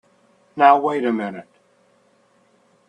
Now wait a minute!